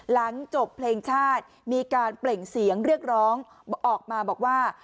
หลังจบเพลงชาติมีการเปล่งเสียงเรียกร้องออกมาบอกว่า